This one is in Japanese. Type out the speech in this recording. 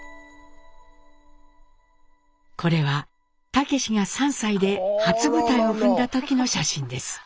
これは武司が３歳で初舞台を踏んだ時の写真です。